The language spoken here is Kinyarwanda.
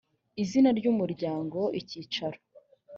izina ry umuryango icyicaro